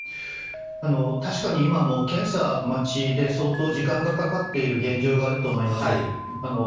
確かに、今はもう検査待ちで相当時間がかかっている現状があると思います。